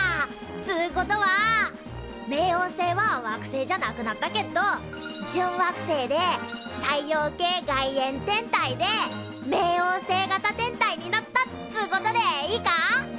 つことは冥王星は惑星じゃなくなったけっど準惑星で太陽系外縁天体で冥王星型天体になったっつことでいいか？